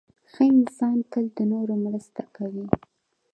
• ښه انسان تل د نورو مرسته کوي.